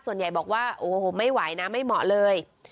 ส่วนใหญ่บอกว่าโอ้โหไม่ไหวนะไม่เหมาะเลย